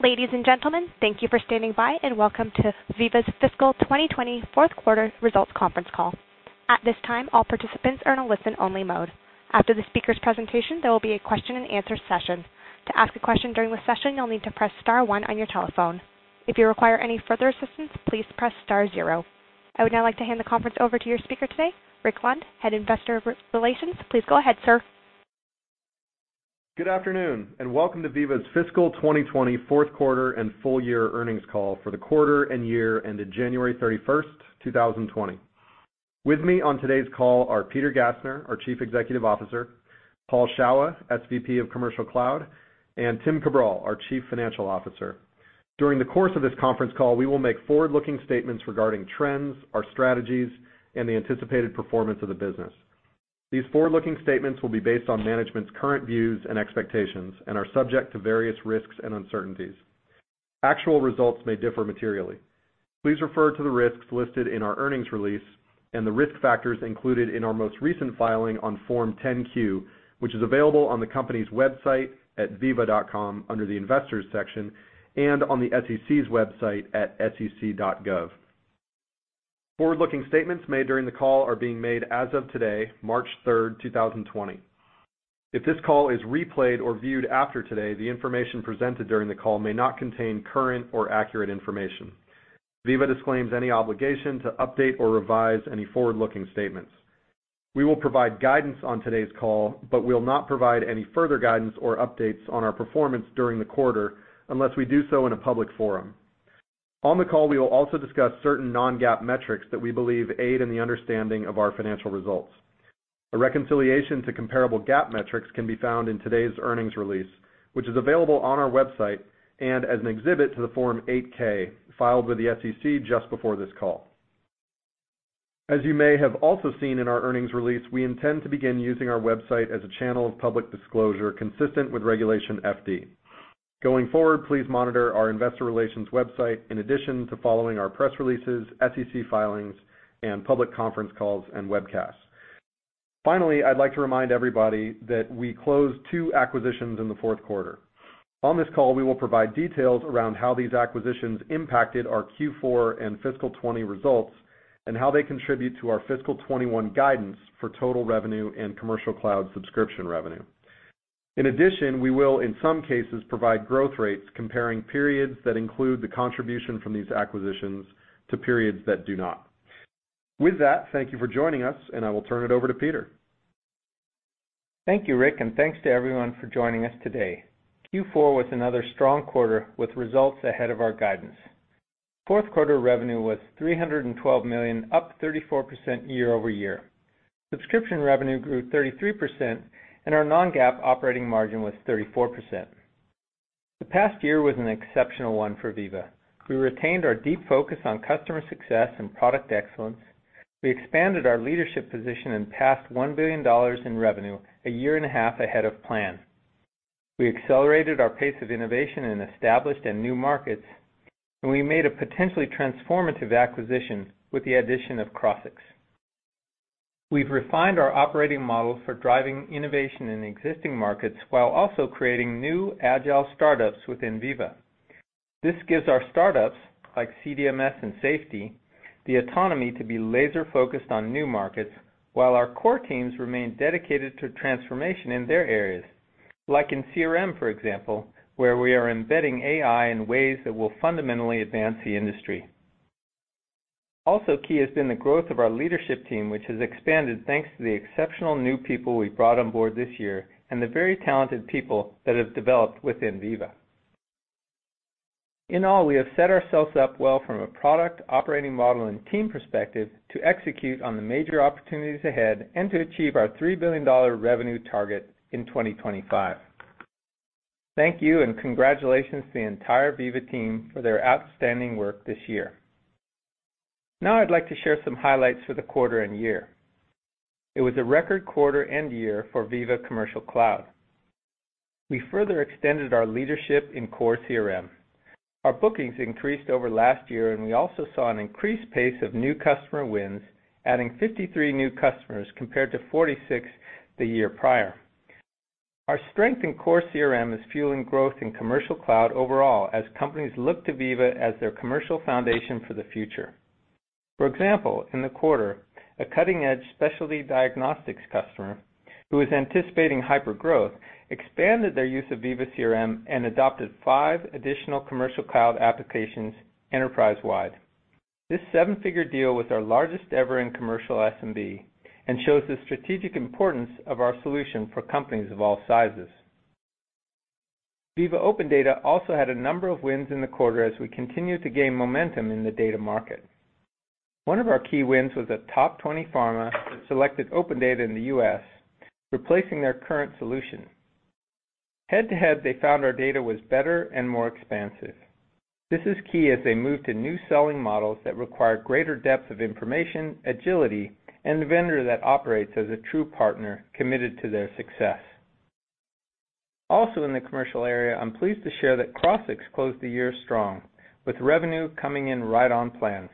Ladies and gentlemen, thank you for standing by and welcome to Veeva's Fiscal 2020 fourth quarter results conference call. At this time, all participants are in a listen-only mode. After the speaker's presentation, there will be a question and answer session. To ask a question during the session, you'll need to press star one on your telephone. If you require any further assistance, please press star zero. I would now like to hand the conference over to your speaker today, Rick Lund, Head of Investor Relations. Please go ahead, sir. Good afternoon, and welcome to Veeva's Fiscal 2020 fourth quarter and full year earnings call for the quarter and year ended January 31st, 2020. With me on today's call are Peter Gassner, our Chief Executive Officer, Paul Shawah, SVP of Commercial Cloud, and Tim Cabral, our Chief Financial Officer. During the course of this conference call, we will make forward-looking statements regarding trends, our strategies, and the anticipated performance of the business. These forward-looking statements will be based on management's current views and expectations and are subject to various risks and uncertainties. Actual results may differ materially. Please refer to the risks listed in our earnings release and the risk factors included in our most recent filing on Form 10-Q, which is available on the company's website at veeva.com under the Investors section and on the SEC's website at sec.gov. Forward-looking statements made during the call are being made as of today, March third, 2020. If this call is replayed or viewed after today, the information presented during the call may not contain current or accurate information. Veeva disclaims any obligation to update or revise any forward-looking statements. We will provide guidance on today's call, but we will not provide any further guidance or updates on our performance during the quarter unless we do so in a public forum. On the call, we will also discuss certain non-GAAP metrics that we believe aid in the understanding of our financial results. A reconciliation to comparable GAAP metrics can be found in today's earnings release, which is available on our website and as an exhibit to the Form 8-K filed with the SEC just before this call. As you may have also seen in our earnings release, we intend to begin using our website as a channel of public disclosure consistent with Regulation FD. Going forward, please monitor our investor relations website in addition to following our press releases, SEC filings, and public conference calls and webcasts. Finally, I'd like to remind everybody that we closed two acquisitions in the fourth quarter. On this call, we will provide details around how these acquisitions impacted our Q4 and fiscal 2020 results and how they contribute to our fiscal 2021 guidance for total revenue and Commercial Cloud subscription revenue. In addition, we will, in some cases, provide growth rates comparing periods that include the contribution from these acquisitions to periods that do not. With that, thank you for joining us, and I will turn it over to Peter. Thank you, Rick, and thanks to everyone for joining us today. Q4 was another strong quarter with results ahead of our guidance. Fourth quarter revenue was $312 million, up 34% year-over-year. Subscription revenue grew 33%. Our non-GAAP operating margin was 34%. The past year was an exceptional one for Veeva. We retained our deep focus on customer success and product excellence. We expanded our leadership position and passed $1 billion in revenue a year and a half ahead of plan. We accelerated our pace of innovation in established and new markets. We made a potentially transformative acquisition with the addition of Crossix. We've refined our operating model for driving innovation in existing markets while also creating new agile startups within Veeva. This gives our startups, like CDMS and Safety, the autonomy to be laser-focused on new markets, while our core teams remain dedicated to transformation in their areas, like in CRM, for example, where we are embedding AI in ways that will fundamentally advance the industry. Also key has been the growth of our leadership team, which has expanded thanks to the exceptional new people we've brought on board this year and the very talented people that have developed within Veeva. In all, we have set ourselves up well from a product, operating model, and team perspective to execute on the major opportunities ahead and to achieve our $3 billion revenue target in 2025. Congratulations to the entire Veeva team for their outstanding work this year. Now I'd like to share some highlights for the quarter and year. It was a record quarter and year for Veeva Commercial Cloud. We further extended our leadership in core CRM. Our bookings increased over last year, and we also saw an increased pace of new customer wins, adding 53 new customers compared to 46 the year prior. Our strength in core CRM is fueling growth in Commercial Cloud overall as companies look to Veeva as their commercial foundation for the future. For example, in the quarter, a cutting-edge specialty diagnostics customer who is anticipating hypergrowth expanded their use of Veeva CRM and adopted five additional Commercial Cloud applications enterprise-wide. This seven-figure deal was our largest ever in commercial SMB and shows the strategic importance of our solution for companies of all sizes. Veeva OpenData also had a number of wins in the quarter as we continued to gain momentum in the data market. One of our key wins was a top 20 pharma that selected OpenData in the U.S., replacing their current solution. Head to head, they found our data was better and more expansive. This is key as they move to new selling models that require greater depth of information, agility, and a vendor that operates as a true partner committed to their success. In the commercial area, I'm pleased to share that Crossix closed the year strong, with revenue coming in right on plan.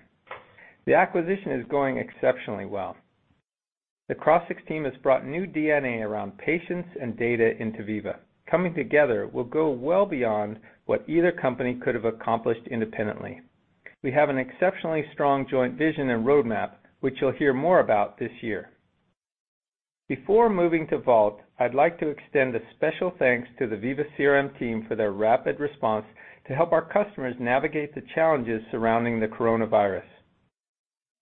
The acquisition is going exceptionally well. The Crossix team has brought new DNA around patients and data into Veeva. Coming together will go well beyond what either company could have accomplished independently. We have an exceptionally strong joint vision and roadmap, which you'll hear more about this year. Before moving to Vault, I'd like to extend a special thanks to the Veeva CRM team for their rapid response to help our customers navigate the challenges surrounding the coronavirus.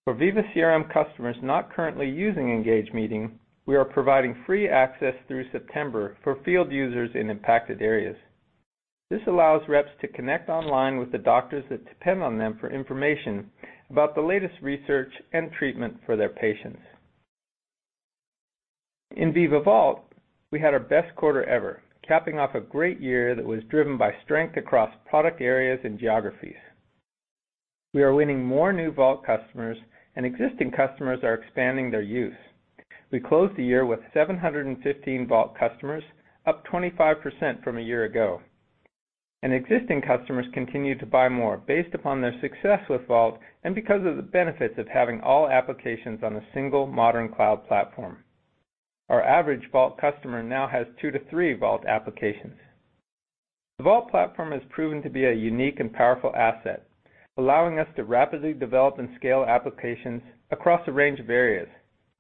For Veeva CRM customers not currently using Engage Meeting, we are providing free access through September for field users in impacted areas. This allows reps to connect online with the doctors that depend on them for information about the latest research and treatment for their patients. In Veeva Vault, we had our best quarter ever, capping off a great year that was driven by strength across product areas and geographies. We are winning more new Vault customers, and existing customers are expanding their use. We closed the year with 715 Vault customers, up 25% from a year ago. Existing customers continue to buy more based upon their success with Vault and because of the benefits of having all applications on a single modern cloud platform. Our average Vault customer now has two to three Vault applications. The Vault platform has proven to be a unique and powerful asset, allowing us to rapidly develop and scale applications across a range of areas.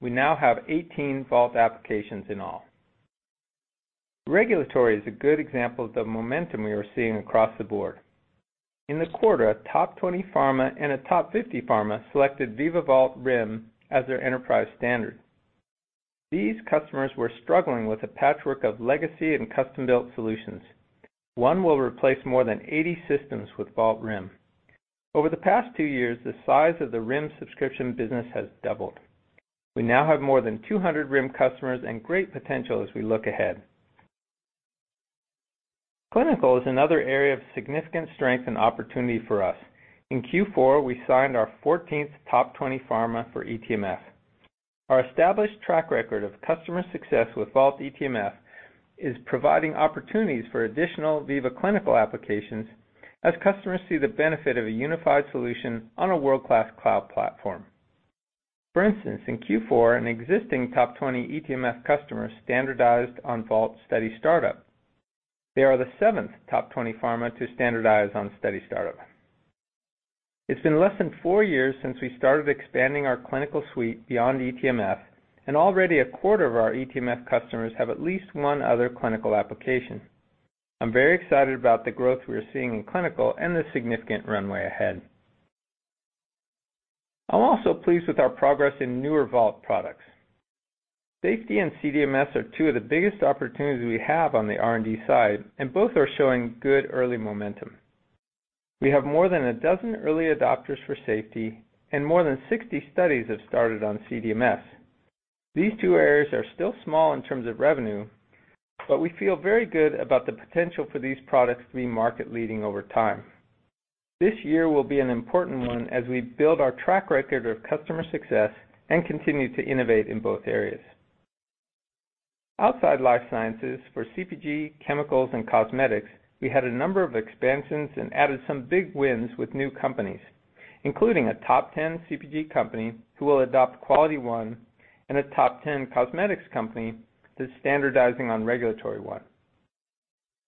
We now have 18 Vault applications in all. Regulatory is a good example of the momentum we are seeing across the board. In the quarter, a top 20 pharma and a top 50 pharma selected Veeva Vault RIM as their enterprise standard. These customers were struggling with a patchwork of legacy and custom-built solutions. One will replace more than 80 systems with Vault RIM. Over the past two years, the size of the RIM subscription business has doubled. We now have more than 200 RIM customers and great potential as we look ahead. Clinical is another area of significant strength and opportunity for us. In Q4, we signed our 14th top 20 pharma for eTMF. Our established track record of customer success with Vault eTMF is providing opportunities for additional Veeva clinical applications as customers see the benefit of a unified solution on a world-class cloud platform. For instance, in Q4, an existing top 20 eTMF customer standardized on Vault Study Startup. They are the seventh top 20 pharma to standardize on Study Startup. It's been less than four years since we started expanding our clinical suite beyond eTMF, and already a quarter of our eTMF customers have at least one other clinical application. I'm very excited about the growth we are seeing in clinical and the significant runway ahead. I'm also pleased with our progress in newer Vault products. Safety and CDMS are two of the biggest opportunities we have on the R&D side, and both are showing good early momentum. We have more than a dozen early adopters for Safety, and more than 60 studies have started on CDMS. These two areas are still small in terms of revenue, but we feel very good about the potential for these products to be market-leading over time. This year will be an important one as we build our track record of customer success and continue to innovate in both areas. Outside life sciences, for CPG, chemicals, and cosmetics, we had a number of expansions and added some big wins with new companies, including a top 10 CPG company who will adopt QualityOne and a top 10 cosmetics company that's standardizing on RegulatoryOne.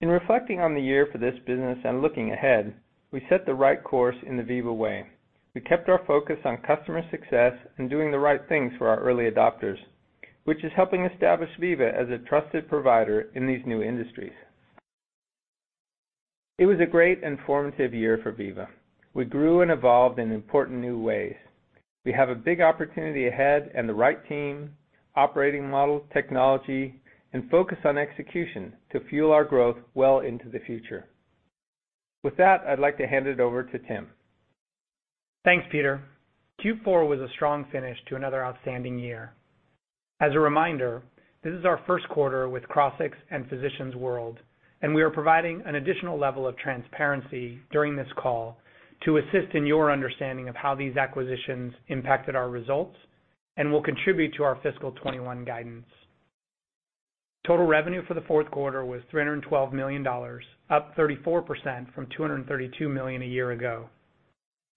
In reflecting on the year for this business and looking ahead, we set the right course in the Veeva way. We kept our focus on customer success and doing the right things for our early adopters, which is helping establish Veeva as a trusted provider in these new industries. It was a great and formative year for Veeva. We grew and evolved in important new ways. We have a big opportunity ahead and the right team, operating model, technology, and focus on execution to fuel our growth well into the future. With that, I'd like to hand it over to Tim. Thanks, Peter. Q4 was a strong finish to another outstanding year. As a reminder, this is our first quarter with Crossix and Physicians World, and we are providing an additional level of transparency during this call to assist in your understanding of how these acquisitions impacted our results and will contribute to our fiscal 2021 guidance. Total revenue for the fourth quarter was $312 million, up 34% from $232 million a year ago.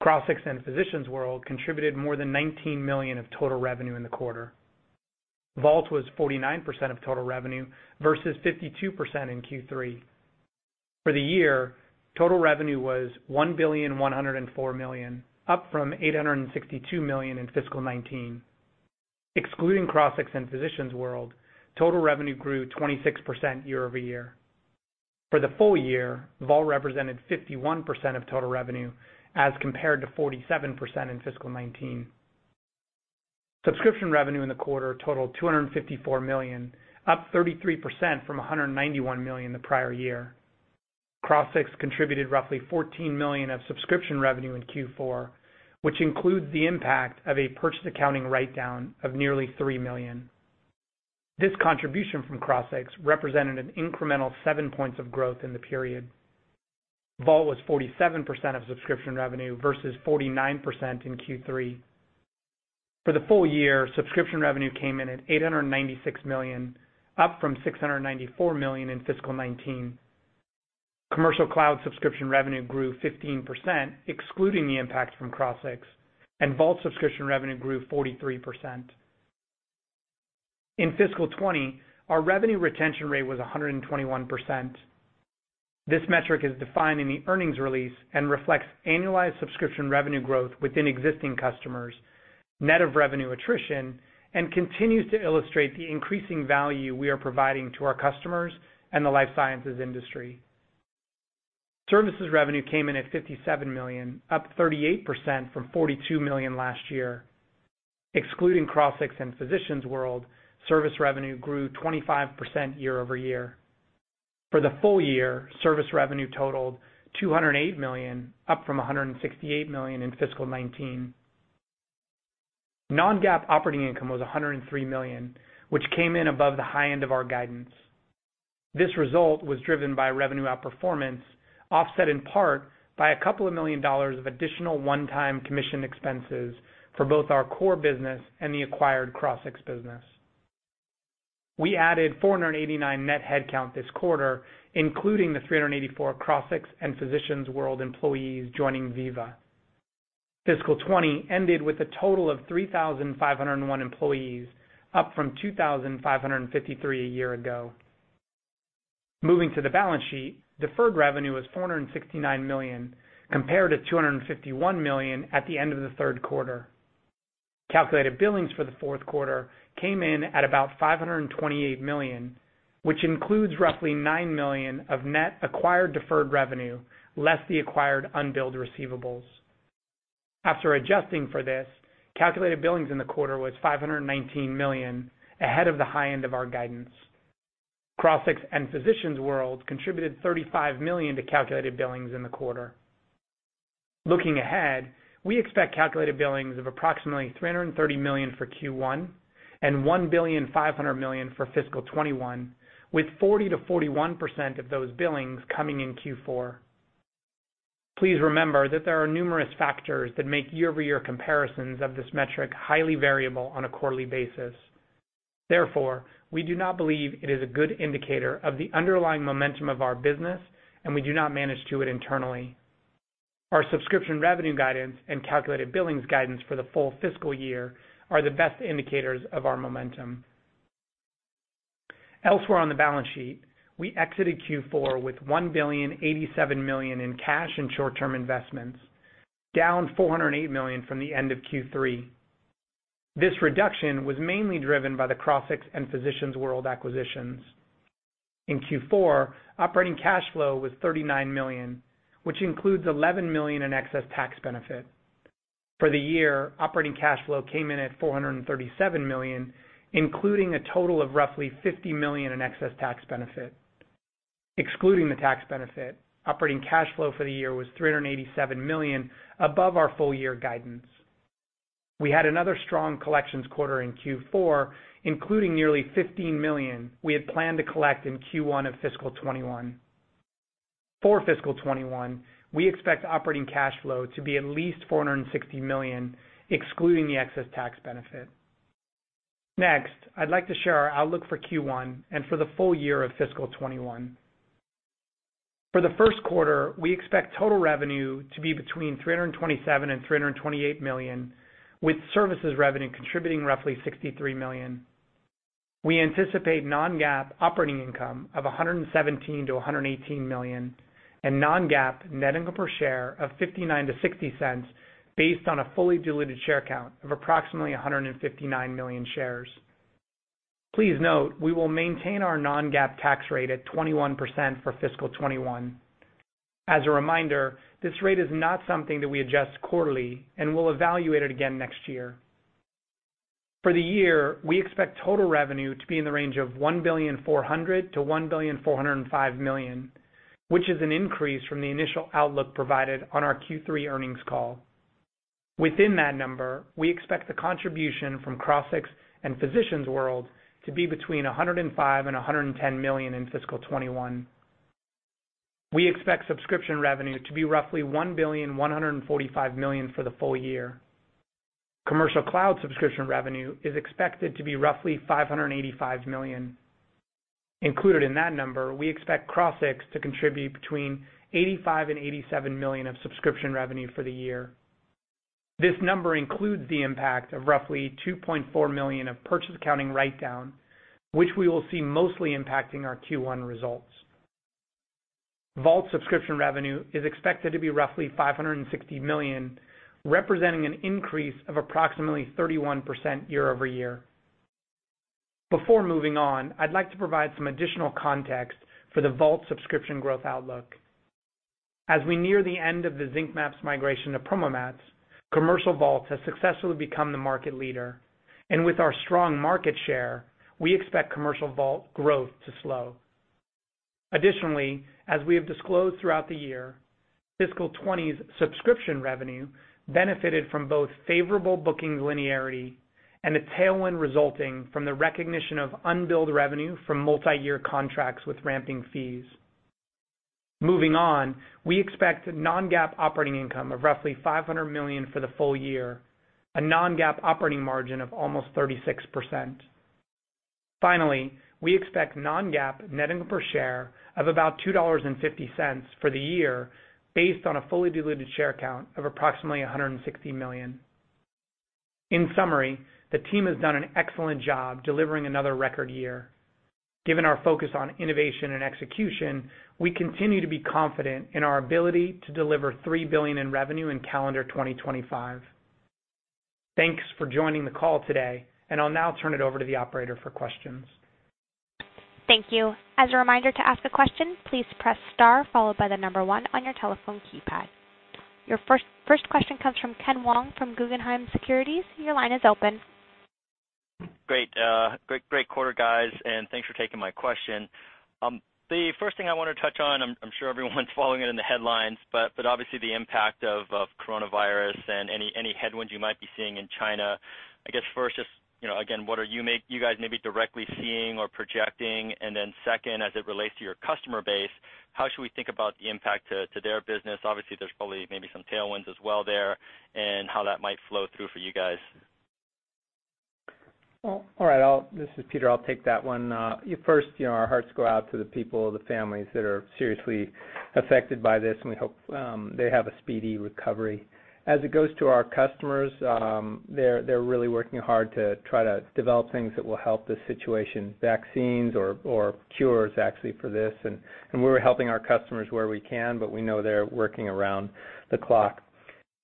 Crossix and Physicians World contributed more than $19 million of total revenue in the quarter. Vault was 49% of total revenue versus 52% in Q3. For the year, total revenue was $1,104 million, up from $862 million in fiscal 2019. Excluding Crossix and Physicians World, total revenue grew 26% year-over-year. For the full year, Vault represented 51% of total revenue as compared to 47% in fiscal 2019. Subscription revenue in the quarter totaled $254 million, up 33% from $191 million the prior year. Crossix contributed roughly $14 million of subscription revenue in Q4, which includes the impact of a purchase accounting write-down of nearly $3 million. This contribution from Crossix represented an incremental seven points of growth in the period. Vault was 47% of subscription revenue versus 49% in Q3. For the full year, subscription revenue came in at $896 million, up from $694 million in fiscal 2019. Commercial Cloud subscription revenue grew 15%, excluding the impact from Crossix, and Vault subscription revenue grew 43%. In fiscal 2020, our revenue retention rate was 121%. This metric is defined in the earnings release and reflects annualized subscription revenue growth within existing customers, net of revenue attrition, and continues to illustrate the increasing value we are providing to our customers and the life sciences industry. Services revenue came in at $57 million, up 38% from $42 million last year. Excluding Crossix and Physicians World, service revenue grew 25% year-over-year. For the full year, service revenue totaled $208 million, up from $168 million in fiscal 2019. Non-GAAP operating income was $103 million, which came in above the high end of our guidance. This result was driven by revenue outperformance, offset in part by a couple of million dollars of additional one-time commission expenses for both our core business and the acquired Crossix business. We added 489 net headcount this quarter, including the 384 Crossix and Physicians World employees joining Veeva. Fiscal twenty ended with a total of 3,501 employees, up from 2,553 a year ago. Moving to the balance sheet, deferred revenue was $469 million, compared to $251 million at the end of the third quarter. Calculated billings for the fourth quarter came in at about $528 million, which includes roughly $9 million of net acquired deferred revenue less the acquired unbilled receivables. After adjusting for this, calculated billings in the quarter was $519 million, ahead of the high end of our guidance. Crossix and Physicians World contributed $35 million to calculated billings in the quarter. Looking ahead, we expect calculated billings of approximately $330 million for Q1 and $1.5 billion for fiscal 2021, with 40%-41% of those billings coming in Q4. Please remember that there are numerous factors that make year-over-year comparisons of this metric highly variable on a quarterly basis. We do not believe it is a good indicator of the underlying momentum of our business, and we do not manage to it internally. Our subscription revenue guidance and calculated billings guidance for the full fiscal year are the best indicators of our momentum. Elsewhere on the balance sheet, we exited Q4 with $1.087 billion in cash and short-term investments, down $408 million from the end of Q3. This reduction was mainly driven by the Crossix and Physicians World acquisitions. In Q4, operating cash flow was $39 million, which includes $11 million in excess tax benefit. For the year, operating cash flow came in at $437 million, including a total of roughly $50 million in excess tax benefit. Excluding the tax benefit, operating cash flow for the year was $387 million above our full-year guidance. We had another strong collections quarter in Q4, including nearly $15 million we had planned to collect in Q1 of fiscal 2021. For fiscal 2021, we expect operating cash flow to be at least $460 million, excluding the excess tax benefit. Next, I'd like to share our outlook for Q1 and for the full year of fiscal 2021. For the first quarter, we expect total revenue to be between $327 million and $328 million, with services revenue contributing roughly $63 million. We anticipate non-GAAP operating income of $117 million-$118 million, and non-GAAP net income per share of $0.59-$0.60 based on a fully diluted share count of approximately 159 million shares. Please note we will maintain our non-GAAP tax rate at 21% for fiscal 2021. As a reminder, this rate is not something that we adjust quarterly, and we'll evaluate it again next year. For the year, we expect total revenue to be in the range of $1.4 billion-$1.405 billion, which is an increase from the initial outlook provided on our Q3 earnings call. Within that number, we expect the contribution from Crossix and Physicians World to be between $105 million-$110 million in fiscal 2021. We expect subscription revenue to be roughly $1.145 billion for the full year. Commercial Cloud subscription revenue is expected to be roughly $585 million. Included in that number, we expect Crossix to contribute between $85 million-$87 million of subscription revenue for the year. This number includes the impact of roughly $2.4 million of purchase accounting write-down, which we will see mostly impacting our Q1 results. Vault subscription revenue is expected to be roughly $560 million, representing an increase of approximately 31% year-over-year. Before moving on, I'd like to provide some additional context for the Vault subscription growth outlook. As we near the end of the Zinc MAPS migration to PromoMats, Commercial Vault has successfully become the market leader, and with our strong market share, we expect Commercial Vault growth to slow. Additionally, as we have disclosed throughout the year, fiscal 20's subscription revenue benefited from both favorable bookings linearity and a tailwind resulting from the recognition of unbilled revenue from multi-year contracts with ramping fees. Moving on, we expect non-GAAP operating income of roughly $500 million for the full year, a non-GAAP operating margin of almost 36%. Finally, we expect non-GAAP net income per share of about $2.50 for the year, based on a fully diluted share count of approximately 160 million. In summary, the team has done an excellent job delivering another record year. Given our focus on innovation and execution, we continue to be confident in our ability to deliver $3 billion in revenue in calendar 2025. Thanks for joining the call today. I'll now turn it over to the operator for questions. Thank you. Your first question comes from Ken Wong from Guggenheim Securities. Great quarter, guys, and thanks for taking my question. The first thing I wanna touch on, I'm sure everyone's following it in the headlines, but obviously the impact of coronavirus and any headwinds you might be seeing in China. I guess first just, you know, again, what are you guys maybe directly seeing or projecting? Second, as it relates to your customer base, how should we think about the impact to their business? Obviously, there's probably maybe some tailwinds as well there, and how that might flow through for you guys. Well, all right, this is Peter, I'll take that one. First, you know, our hearts go out to the people, the families that are seriously affected by this, we hope they have a speedy recovery. As it goes to our customers, they're really working hard to try to develop things that will help the situation, vaccines or cures actually for this. We're helping our customers where we can, we know they're working around the clock.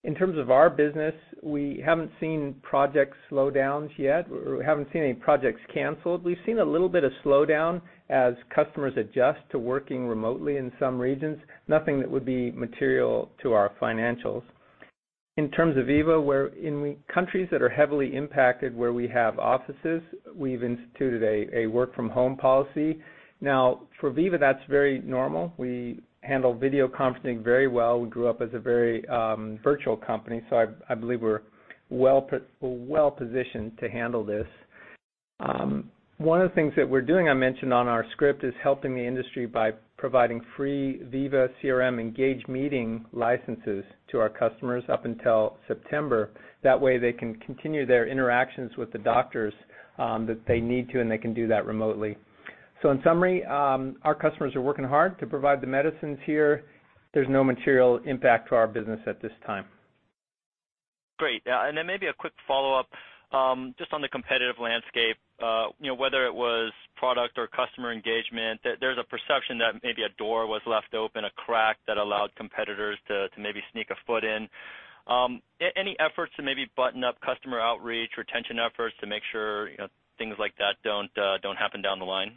In terms of our business, we haven't seen projects slow down yet. We haven't seen any projects canceled. We've seen a little bit of slowdown as customers adjust to working remotely in some regions, nothing that would be material to our financials. In terms of Veeva, where in countries that are heavily impacted where we have offices, we've instituted a work from home policy. For Veeva, that's very normal. We handle video conferencing very well. We grew up as a very virtual company, I believe we're well-positioned to handle this. One of the things that we're doing, I mentioned on our script, is helping the industry by providing free Veeva CRM Engage Meeting licenses to our customers up until September. That way, they can continue their interactions with the doctors that they need to, and they can do that remotely. In summary, our customers are working hard to provide the medicines here. There's no material impact to our business at this time. Great. Maybe a quick follow-up, just on the competitive landscape, you know, whether it was product or customer engagement, there's a perception that maybe a door was left open, a crack that allowed competitors to maybe sneak a foot in. Any efforts to maybe button up customer outreach, retention efforts to make sure, you know, things like that don't happen down the line?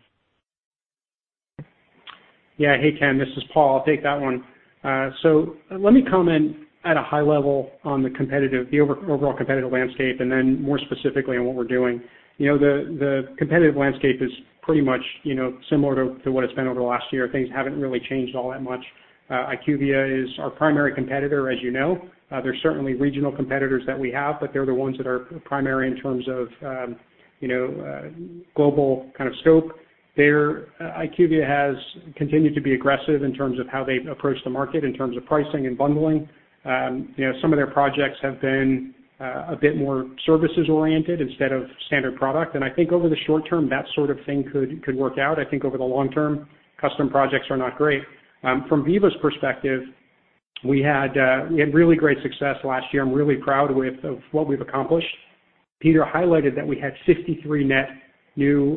Hey, Ken, this is Paul. I'll take that one. Let me comment at a high level on the overall competitive landscape, and then more specifically on what we're doing. You know, the competitive landscape is pretty much, you know, similar to what it's been over the last year. Things haven't really changed all that much. IQVIA is our primary competitor, as you know. There's certainly regional competitors that we have, they're the ones that are primary in terms of, you know, global kind of scope. IQVIA has continued to be aggressive in terms of how they approach the market in terms of pricing and bundling. You know, some of their projects have been a bit more services-oriented instead of standard product. I think over the short term, that sort of thing could work out. I think over the long term, custom projects are not great. From Veeva's perspective, we had really great success last year. I'm really proud of what we've accomplished. Peter highlighted that we had 53 net new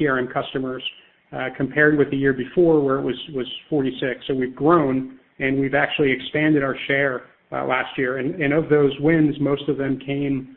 CRM customers compared with the year before, where it was 46. We've grown, and we've actually expanded our share last year. Of those wins, most of them came,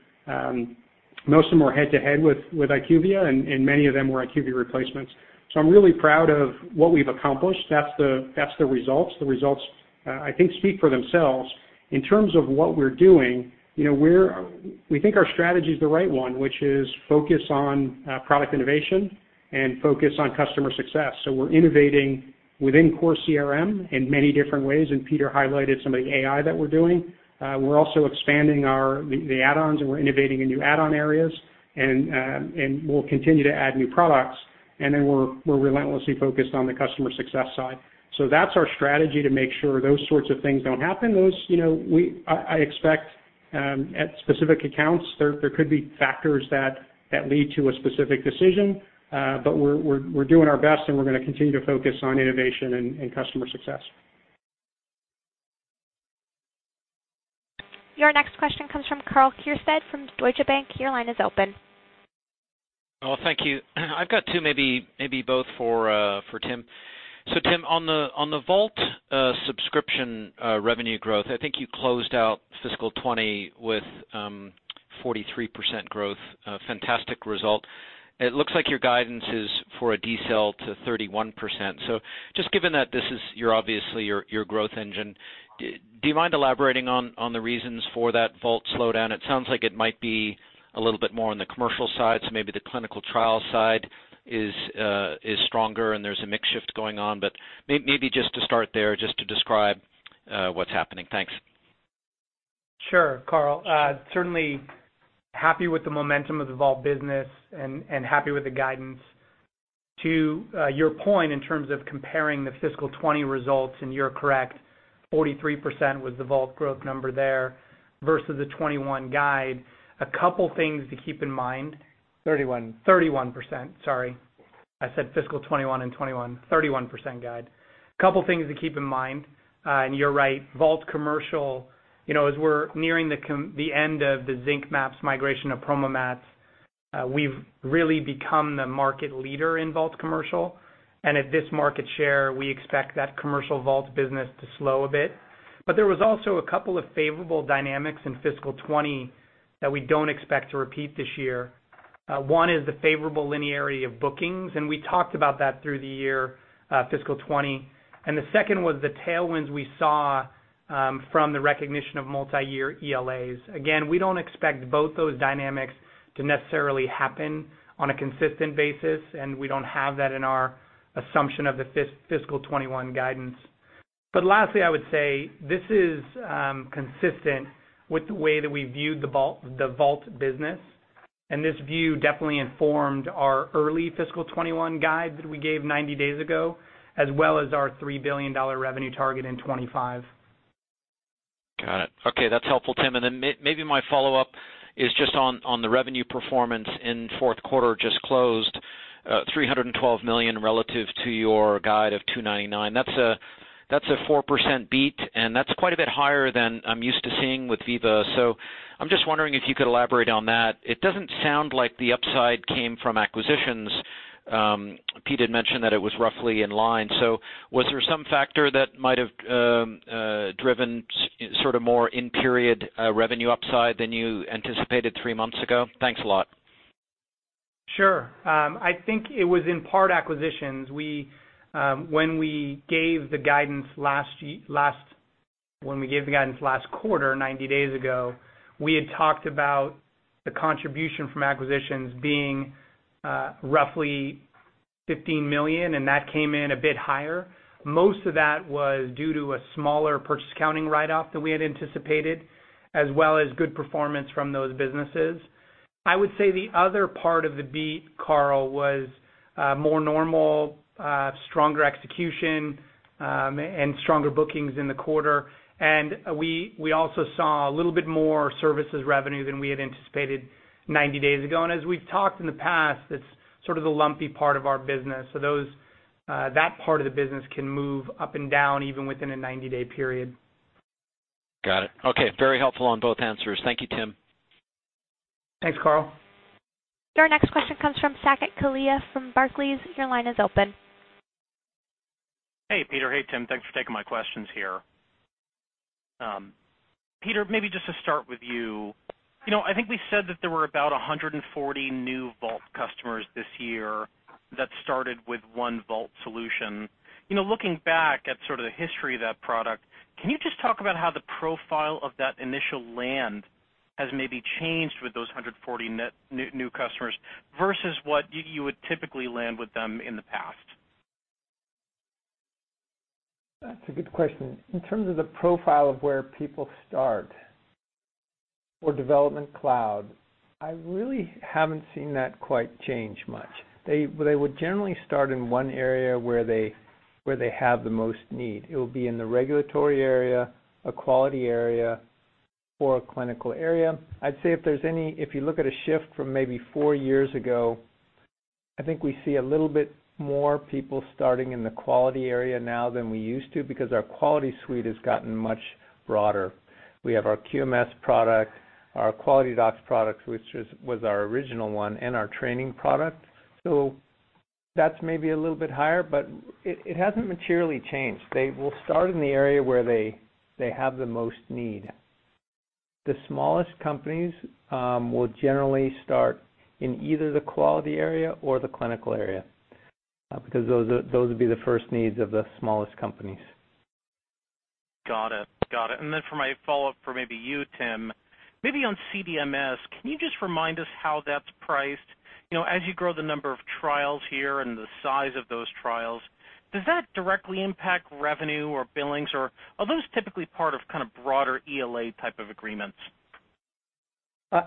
most of them were head-to-head with IQVIA, and many of them were IQVIA replacements. I'm really proud of what we've accomplished. That's the results. The results, I think speak for themselves. In terms of what we're doing, you know, we think our strategy is the right one, which is focus on product innovation and focus on customer success. We're innovating within core CRM in many different ways, and Peter highlighted some of the AI that we're doing. We're also expanding our add-ons, and we're innovating in new add-on areas. We'll continue to add new products. We're relentlessly focused on the customer success side. That's our strategy to make sure those sorts of things don't happen. Those, you know, I expect at specific accounts, there could be factors that lead to a specific decision. We're doing our best, and we're gonna continue to focus on innovation and customer success. Your next question comes from Karl Keirstead from Deutsche Bank. Your line is open. Thank you. I've got two, maybe both for Tim. Tim, on the Vault subscription revenue growth, I think you closed out fiscal 2020 with 43% growth, a fantastic result. It looks like your guidance is for a decel to 31%. Just given that this is your, obviously your growth engine, do you mind elaborating on the reasons for that Vault slowdown? It sounds like it might be a little bit more on the commercial side, so maybe the clinical trial side is stronger and there's a mix shift going on. Maybe just to start there, just to describe what's happening. Thanks. Sure, Karl. certainly happy with the momentum of the Vault business and happy with the guidance. To, your point in terms of comparing the fiscal 2020 results, and you're correct, 43% was the Vault growth number there versus the 2021 guide. A couple things to keep in mind. Thirty-one. 31%. Sorry, I said fiscal 2021 and 2021. 31% guide. A couple things to keep in mind, and you're right, Vault Commercial, you know, as we're nearing the end of the Zinc MAPS migration of PromoMats, we've really become the market leader in Vault Commercial. At this market share, we expect that Commercial Vault business to slow a bit. There was also a couple of favorable dynamics in fiscal 2020 that we don't expect to repeat this year. One is the favorable linearity of bookings, and we talked about that through the year, fiscal 2020. The second was the tailwinds we saw from the recognition of multi-year ELAs. Again, we don't expect both those dynamics to necessarily happen on a consistent basis, and we don't have that in our assumption of the fiscal 2021 guidance. Lastly, I would say this is consistent with the way that we viewed the Vault business, and this view definitely informed our early fiscal 2021 guide that we gave 90 days ago, as well as our $3 billion revenue target in 2025. Got it. Okay, that's helpful, Tim. Maybe my follow-up is just on the revenue performance in fourth quarter just closed, $312 million relative to your guide of $299 million. That's a four percent beat, quite a bit higher than I'm used to seeing with Veeva. I'm just wondering if you could elaborate on that. It doesn't sound like the upside came from acquisitions. Peter had mentioned that it was roughly in line. Was there some factor that might have driven sort of more in-period revenue upside than you anticipated three months ago? Thanks a lot. Sure. I think it was in part acquisitions. We When we gave the guidance last quarter, 90 days ago, we had talked about the contribution from acquisitions being roughly $15 million, and that came in a bit higher. Most of that was due to a smaller purchase accounting write-off than we had anticipated, as well as good performance from those businesses. I would say the other part of the beat, Karl, was more normal, stronger execution, and stronger bookings in the quarter. We also saw a little bit more services revenue than we had anticipated 90 days ago. As we've talked in the past, it's sort of the lumpy part of our business. Those, that part of the business can move up and down even within a 90-day period. Got it. Okay. Very helpful on both answers. Thank you, Tim. Thanks, Karl. Your next question comes from Saket Kalia from Barclays. Your line is open. Hey, Peter. Hey, Tim. Thanks for taking my questions here. Peter, maybe just to start with you. You know, I think we said that there were about 140 new Vault customers this year that started with one Vault solution. You know, looking back at sort of the history of that product, can you just talk about how the profile of that initial land has maybe changed with those 140 net-new customers versus what you would typically land with them in the past? That's a good question. In terms of the profile of where people start for Development Cloud, I really haven't seen that quite change much. They would generally start in one area where they have the most need. It will be in the regulatory area, a quality area, or a clinical area. I'd say if you look at a shift from maybe four years ago, I think we see a little bit more people starting in the quality area now than we used to because our quality suite has gotten much broader. We have our QMS product, our QualityDocs product, which was our original one, and our training product. That's maybe a little bit higher, but it hasn't materially changed. They will start in the area where they have the most need. The smallest companies, will generally start in either the quality area or the clinical area, because those would be the first needs of the smallest companies. Got it. Got it. For my follow-up for maybe you, Tim, maybe on CDMS, can you just remind us how that's priced? You know, as you grow the number of trials here and the size of those trials, does that directly impact revenue or billings, or are those typically part of kind of broader ELA type of agreements? This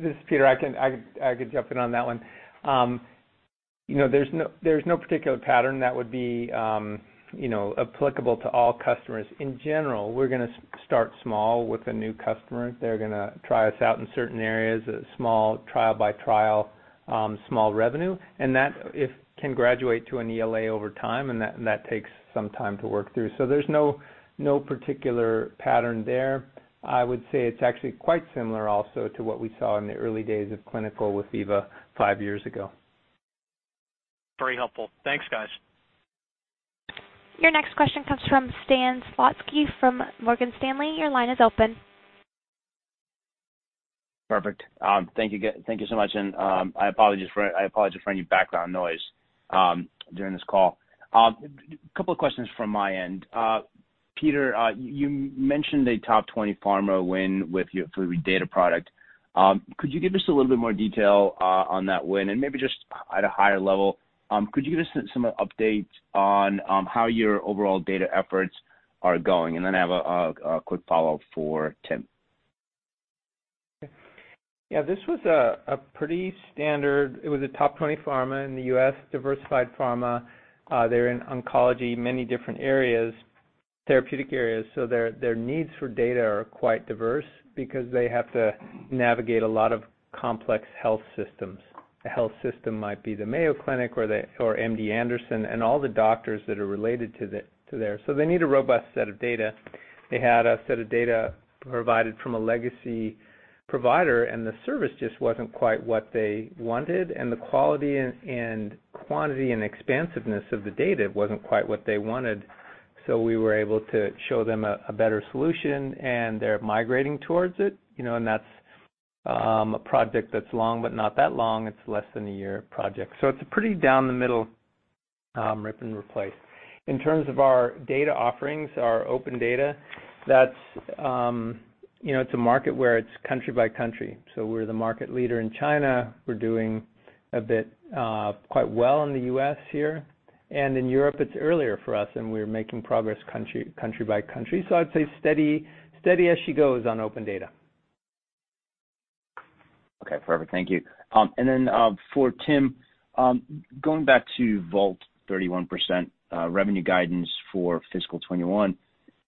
is Peter. I can jump in on that one. You know, there's no particular pattern that would be, you know, applicable to all customers. In general, we're gonna start small with a new customer. They're gonna try us out in certain areas, a small trial by trial, small revenue, and that can graduate to an ELA over time, and that takes some time to work through. There's no particular pattern there. I would say it's actually quite similar also to what we saw in the early days of clinical with Veeva five years ago. Very helpful. Thanks, guys. Your next question comes from Stan Zlotsky from Morgan Stanley. Your line is open. Perfect. Thank you so much. I apologize for any background noise during this call. Couple of questions from my end. Peter, you mentioned a top 20 pharma win with your OpenData product. Could you give us a little bit more detail on that win? Maybe just at a higher level, could you give us some updates on how your overall data efforts are going? Then I have a quick follow-up for Tim. Yeah, this was a top 20 pharma in the U.S., diversified pharma. They're in oncology, many different areas, therapeutic areas, so their needs for data are quite diverse because they have to navigate a lot of complex health systems. A health system might be the Mayo Clinic or MD Anderson and all the doctors that are related to there. They need a robust set of data. They had a set of data provided from a legacy provider, the service just wasn't quite what they wanted, and the quality and quantity and expansiveness of the data wasn't quite what they wanted. We were able to show them a better solution, they're migrating towards it. You know, that's a project that's long, but not that long. It's less than a year project. It's a pretty down the middle, rip and replace. In terms of our data offerings, our OpenData, that's, you know, it's a market where it's country by country. We're the market leader in China. We're doing a bit, quite well in the U.S. here. In Europe, it's earlier for us, and we're making progress country by country. I'd say steady as she goes on OpenData. Okay, perfect. Thank you. Then, for Tim, going back to Vault 31% revenue guidance for fiscal 2021,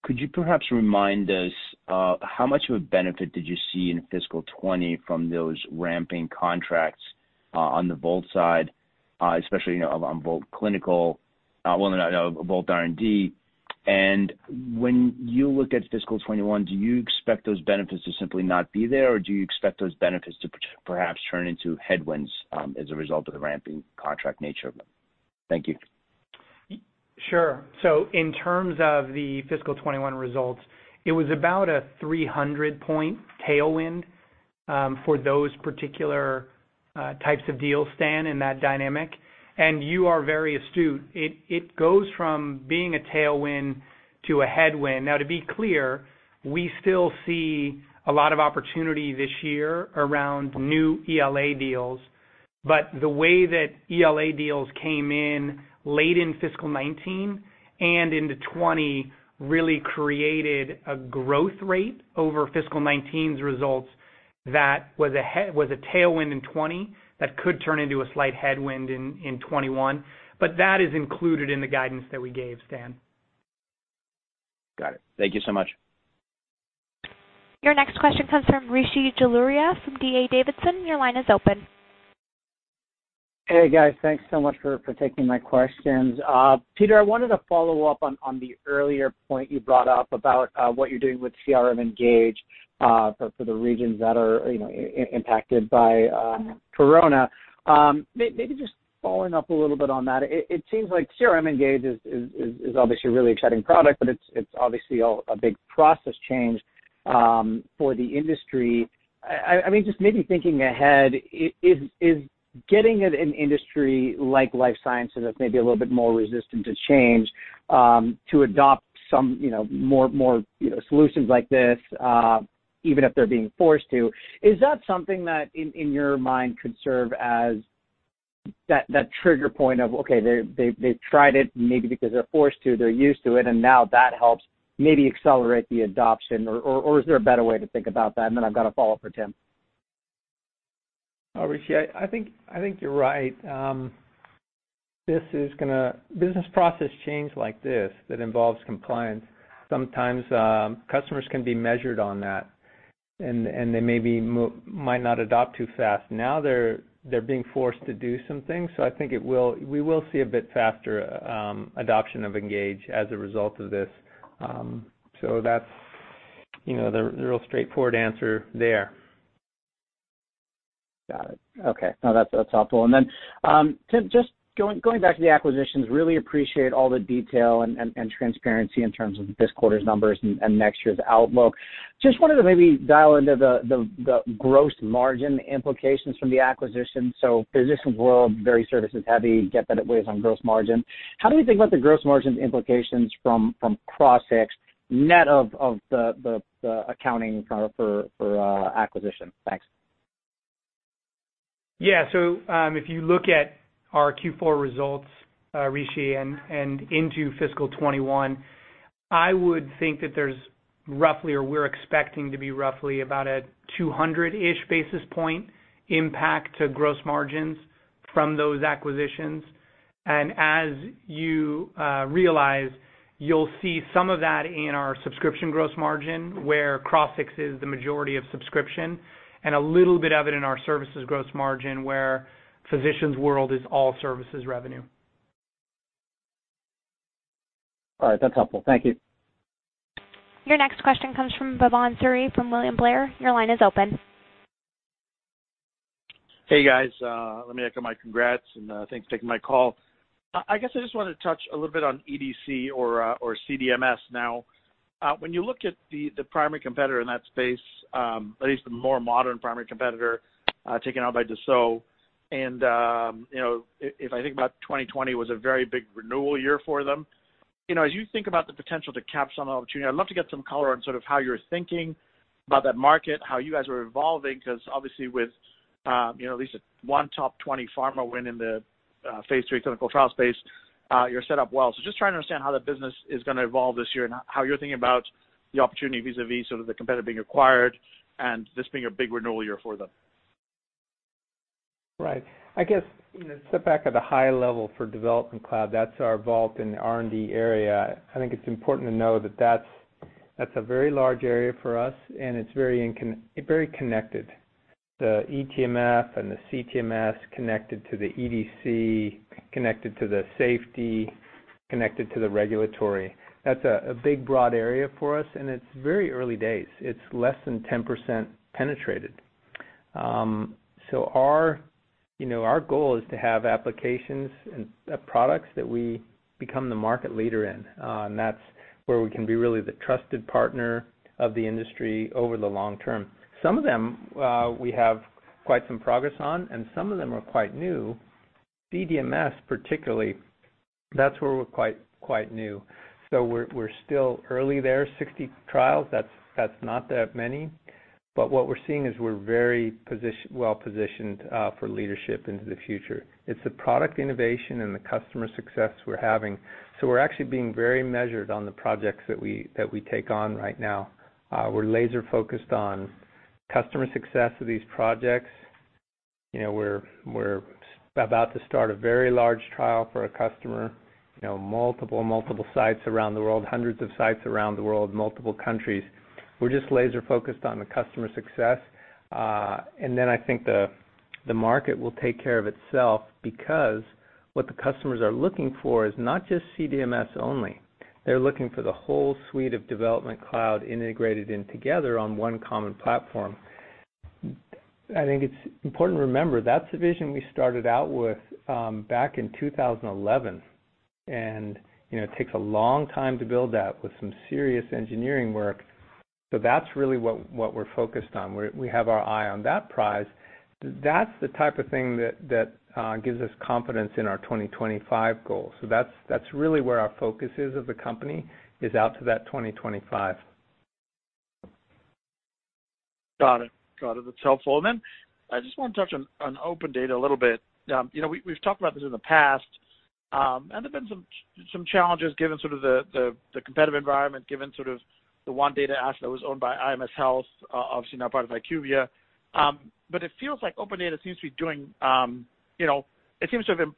could you perhaps remind us how much of a benefit did you see in fiscal 2020 from those ramping contracts on the Vault side, especially, you know, on Vault Clinical, Vault R&D. When you look at fiscal 2021, do you expect those benefits to simply not be there, or do you expect those benefits to perhaps turn into headwinds as a result of the ramping contract nature of them? Thank you. Sure. In terms of the fiscal 2021 results, it was about a 300 point tailwind for those particular types of deals, Stan, in that dynamic. You are very astute. It goes from being a tailwind to a headwind. Now, to be clear, we still see a lot of opportunity this year around new ELA deals. The way that ELA deals came in late in fiscal 2019 and into 2020 really created a growth rate over fiscal 2019's results that was a tailwind in 2020 that could turn into a slight headwind in 2021. That is included in the guidance that we gave, Stan. Got it. Thank you so much. Your next question comes from Rishi Jaluria from D.A. Davidson. Your line is open. Hey, guys. Thanks so much for taking my questions. Peter, I wanted to follow up on the earlier point you brought up about what you're doing with CRM Engage for the regions that are, you know, impacted by coronavirus. Maybe just following up a little bit on that. It seems like CRM Engage is obviously a really exciting product, but it's obviously a big process change for the industry. I mean, just maybe thinking ahead, is getting an industry like life sciences that's maybe a little bit more resistant to change, to adopt some, you know, more, you know, solutions like this, even if they're being forced to, is that something that in your mind could serve as that trigger point of, okay, they've tried it maybe because they're forced to, they're used to it, and now that helps maybe accelerate the adoption? Or is there a better way to think about that? Then I've got a follow-up for Tim. Rishi, I think you're right. Business process change like this that involves compliance, sometimes, customers can be measured on that and they maybe might not adopt too fast. They're being forced to do some things, so we will see a bit faster adoption of Veeva Engage as a result of this. That's, you know, the real straightforward answer there. Got it. Okay. No, that's helpful. Tim, just going back to the acquisitions, really appreciate all the detail and transparency in terms of this quarter's numbers and next year's outlook. Just wanted to maybe dial into the gross margin implications from the acquisition. Physicians World, very services heavy, get that it weighs on gross margin. How do we think about the gross margin implications from Crossix net of the accounting for acquisition? Thanks. Yeah. If you look at our Q4 results, Rishi, into FY 2021, I would think that there's roughly, or we're expecting to be roughly about a 200-ish basis point impact to gross margins from those acquisitions. As you realize, you'll see some of that in our subscription gross margin, where Crossix is the majority of subscription, and a little bit of it in our services gross margin, where Physicians World is all services revenue. All right. That's helpful. Thank you. Your next question comes from Bhavan Suri from William Blair. Your line is open. Hey, guys. Let me echo my congrats and thanks for taking my call. I guess I just wanted to touch a little bit on EDC or CDMS now. When you look at the primary competitor in that space, at least the more modern primary competitor, taken out by Dassault, you know, if I think about 2020 was a very big renewal year for them. You know, as you think about the potential to cap some opportunity, I'd love to get some color on sort of how you're thinking about that market, how you guys are evolving. 'Cause obviously with, you know, at least one top 20 pharma win in the phase III clinical trial space You're set up well. Just trying to understand how the business is gonna evolve this year and how you're thinking about the opportunity vis-a-vis sort of the competitor being acquired and this being a big renewal year for them. I guess, you know, step back at the high level for Development Cloud, that's our Vault in the R&D area. I think it's important to know that that's a very large area for us, and it's very connected. The eTMF and the CTMS connected to the EDC, connected to the safety, connected to the regulatory. That's a big broad area for us, and it's very early days. It's less than 10% penetrated. Our, you know, our goal is to have applications and products that we become the market leader in, and that's where we can be really the trusted partner of the industry over the long term. Some of them, we have quite some progress on, and some of them are quite new. CDMS particularly, that's where we're quite new. We're still early there. 60 trials, that's not that many. What we're seeing is we're very well-positioned for leadership into the future. It's the product innovation and the customer success we're having, we're actually being very measured on the projects that we take on right now. We're laser-focused on customer success of these projects. You know, we're about to start a very large trial for a customer, you know, multiple sites around the world, hundreds of sites around the world, multiple countries. We're just laser-focused on the customer success. I think the market will take care of itself because what the customers are looking for is not just CDMS only. They're looking for the whole suite of Development Cloud integrated in together on one common platform. I think it's important to remember that's the vision we started out with back in 2011. You know, it takes a long time to build that with some serious engineering work. That's really what we're focused on. We have our eye on that prize. That's the type of thing that gives us confidence in our 2025 goal. That's really where our focus is of the company, is out to that 2025. Got it. Got it. That's helpful. I just wanna touch on OpenData a little bit. You know, we've talked about this in the past, and there's been some challenges given sort of the, the competitive environment, given sort of the one data asset that was owned by IMS Health, obviously now part of IQVIA. It feels like OpenData seems to be doing, you know, it seems to have been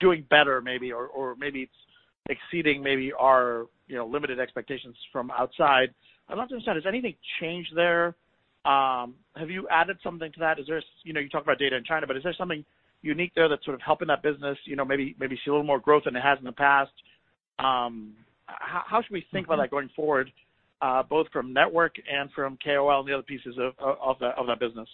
doing better maybe, or maybe it's exceeding maybe our, you know, limited expectations from outside. I'd love to understand, has anything changed there? Have you added something to that? Is there You know, you talk about data in China, but is there something unique there that's sort of helping that business, you know, maybe see a little more growth than it has in the past? How should we think about that going forward, both from network and from KOL and the other pieces of that business?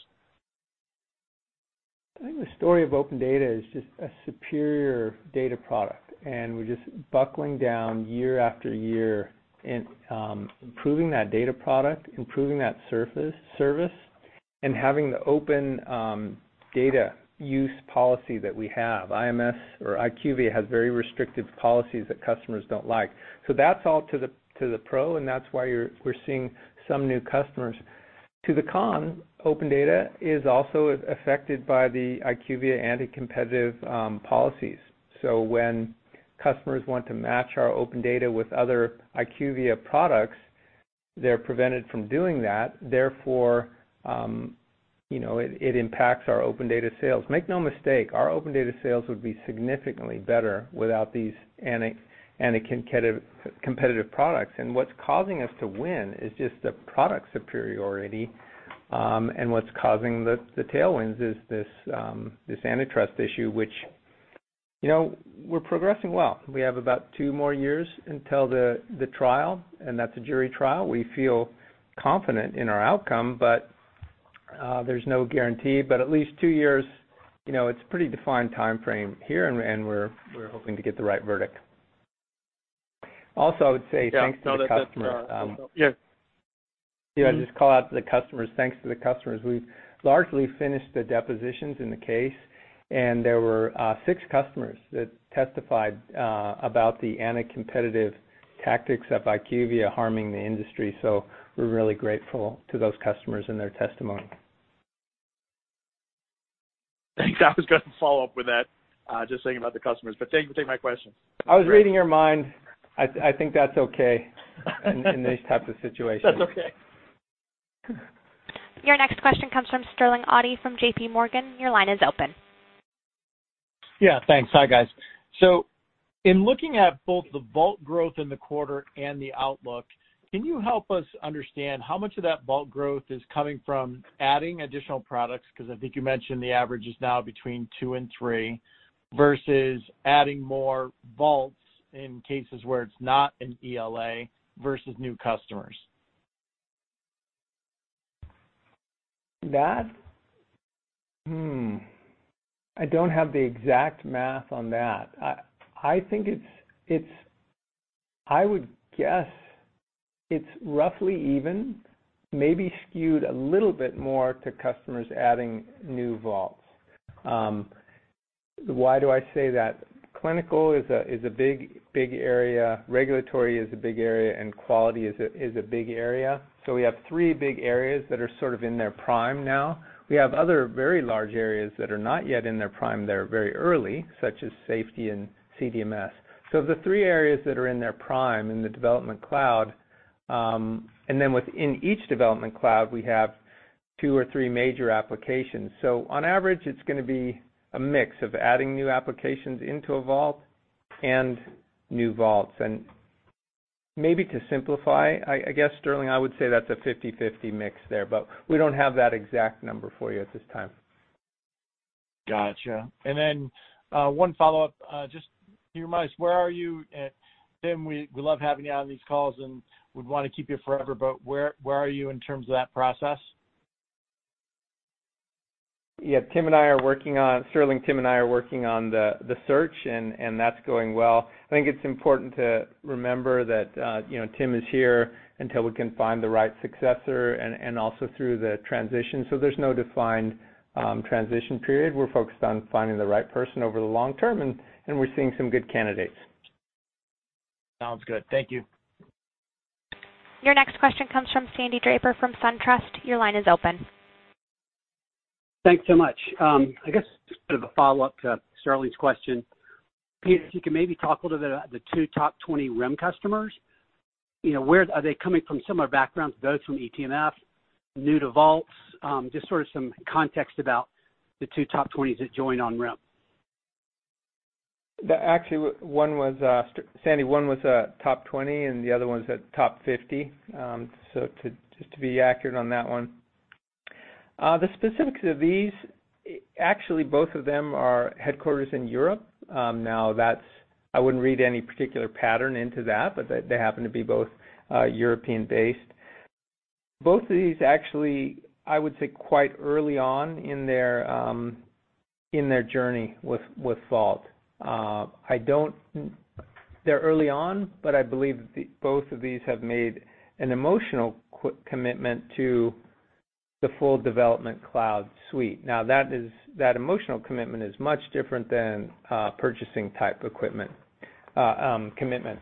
I think the story of OpenData is just a superior data product, and we're just buckling down year after year and improving that data product, improving that service, and having the OpenData use policy that we have. IMS or IQVIA has very restricted policies that customers don't like. That's all to the, to the pro, and that's why we're seeing some new customers. To the con, OpenData is also affected by the IQVIA anti-competitive policies. When customers want to match our OpenData with other IQVIA products, they're prevented from doing that. Therefore, you know, it impacts our OpenData sales. Make no mistake, our OpenData sales would be significantly better without these anti-competitive products. What's causing us to win is just the product superiority. What's causing the tailwinds is this antitrust issue, which, you know, we're progressing well. We have about two more years until the trial, and that's a jury trial. We feel confident in our outcome, but there's no guarantee. At least two years, you know, it's a pretty defined timeframe here, and we're hoping to get the right verdict. Also, I would say thanks to the customers. You know, I just call out to the customers, thanks to the customers. We've largely finished the depositions in the case, and there were six customers that testified about the anti-competitive tactics of IQVIA harming the industry. We're really grateful to those customers and their testimony. Thanks. I was gonna follow up with that, just saying about the customers. Thank you for taking my question. I was reading your mind. I think that's okay in these types of situations. That's okay. Your next question comes from Sterling Auty from JP Morgan. Your line is open. Yeah, thanks. Hi, guys. In looking at both the Vault growth in the quarter and the outlook, can you help us understand how much of that Vault growth is coming from adding additional products, because I think you mentioned the average is now between two and three, versus adding more Vaults in cases where it's not an ELA versus new customers? I don't have the exact math on that. I think it's roughly even, maybe skewed a little bit more to customers adding new Vaults. Why do I say that? Clinical is a big area, Regulatory is a big area, and Quality is a big area. We have three big areas that are sort of in their prime now. We have other very large areas that are not yet in their prime. They're very early, such as Safety and CDMS. The three areas that are in their prime in the Veeva Development Cloud, within each Veeva Development Cloud, we have two or three major applications. On average, it's going to be a mix of adding new applications into a Vault and new Vaults. Maybe to simplify, I guess, Sterling Auty, I would say that's a 50/50 mix there, but we don't have that exact number for you at this time. Gotcha. One follow-up, just can you remind us where are you, Tim, we love having you on these calls and would wanna keep you forever, but where are you in terms of that process? Yeah. Sterling, Tim and I are working on the search and that's going well. I think it's important to remember that, you know, Tim is here until we can find the right successor and also through the transition. There's no defined transition period. We're focused on finding the right person over the long term, and we're seeing some good candidates. Sounds good. Thank you. Your next question comes from Sandy Draper from SunTrust. Your line is open. Thanks so much. I guess just a bit of a follow-up to Sterling's question. Peter, if you can maybe talk a little bit about the two top 20 RIM customers. You know, are they coming from similar backgrounds, both from eTMF, new to Vaults? Just sort of some context about the 2 top 20s that joined on RIM. Actually, one was Sandy, one was a top 20 and the other is at top 50. To, just to be accurate on that one. The specifics of these, actually both of them are headquarters in Europe. Now that's, I wouldn't read any particular pattern into that, but they happen to be both European-based. Both of these, actually, I would say quite early on in their journey with Vault. I don't. They're early on, but I believe both of these have made an emotional commitment to the full Development Cloud suite. Now that is, that emotional commitment is much different than purchasing type equipment commitment,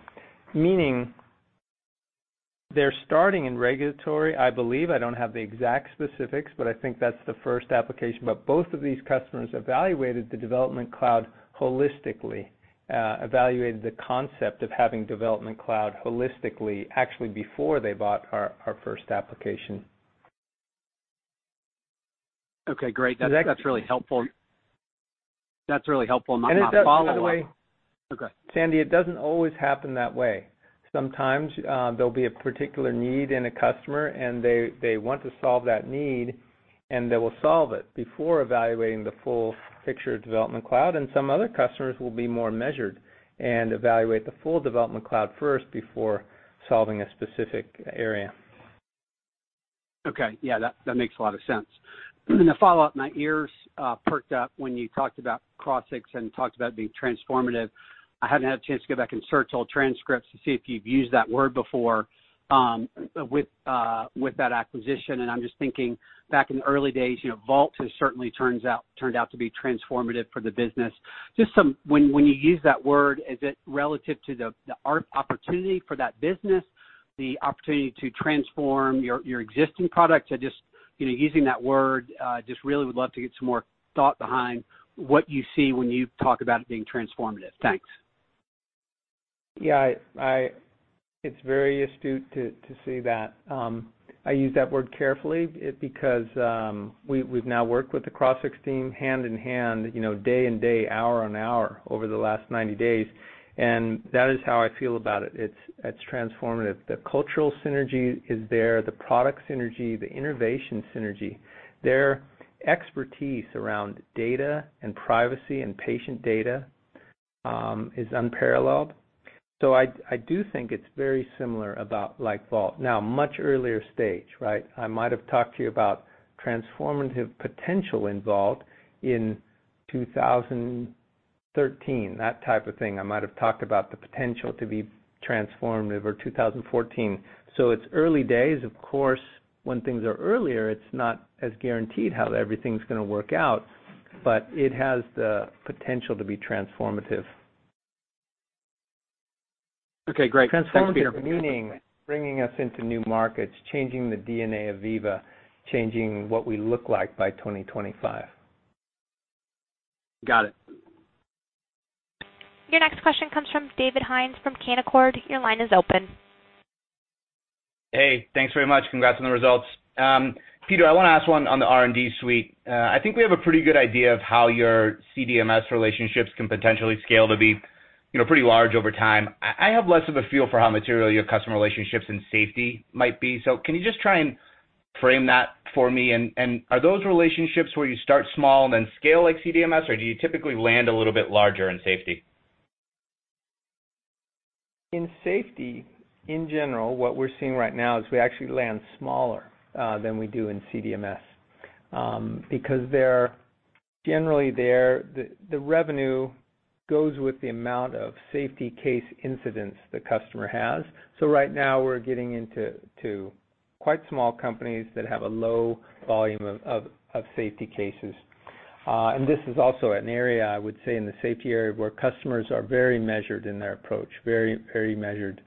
meaning they're starting in regulatory. I believe, I don't have the exact specifics, but I think that's the 1st application. Both of these customers evaluated the Development Cloud holistically, evaluated the concept of having Development Cloud holistically, actually before they bought our first application. Okay, great. The next- That's really helpful. That's really helpful. And it does- A follow-up. Okay. Sandy, it doesn't always happen that way. Sometimes, there'll be a particular need in a customer and they want to solve that need, and they will solve it before evaluating the full picture of Development Cloud, and some other customers will be more measured and evaluate the full Development Cloud first before solving a specific area. Okay. Yeah, that makes a lot of sense. In the follow-up, my ears perked up when you talked about Crossix and talked about being transformative. I haven't had a chance to go back and search old transcripts to see if you've used that word before with that acquisition. I'm just thinking back in the early days, you know, Vault has certainly turned out to be transformative for the business. When you use that word, is it relative to the opportunity for that business, the opportunity to transform your existing products? Just, you know, using that word, just really would love to get some more thought behind what you see when you talk about it being transformative. Thanks. I It's very astute to say that. I use that word carefully because we've now worked with the Crossix team hand in hand, you know, day and day, hour on hour over the last 90 days, and that is how I feel about it. It's transformative. The cultural synergy is there, the product synergy, the innovation synergy. Their expertise around data and privacy and patient data is unparalleled. I do think it's very similar about, like Vault. Now, much earlier stage, right? I might have talked to you about transformative potential in Vault in 2013, that type of thing. I might have talked about the potential to be transformative or 2014. It's early days. Of course, when things are earlier, it's not as guaranteed how everything's gonna work out, but it has the potential to be transformative. Okay, great. Transformative- Thanks, Peter. meaning bringing us into new markets, changing the DNA of Veeva, changing what we look like by 2025. Got it. Your next question comes from David Hynes from Canaccord. Your line is open. Hey. Thanks very much. Congrats on the results. Peter, I wanna ask one on the R&D suite. I think we have a pretty good idea of how your CDMS relationships can potentially scale to be, you know, pretty large over time. I have less of a feel for how material your customer relationships in Safety might be. Can you just try and frame that for me? Are those relationships where you start small then scale like CDMS or do you typically land a little bit larger in Safety? In safety, in general, what we're seeing right now is we actually land smaller than we do in CDMS because generally there, the revenue goes with the amount of safety case incidents the customer has. Right now we're getting into quite small companies that have a low volume of safety cases. This is also an area, I would say in the safety area, where customers are very measured in their approach, very measured.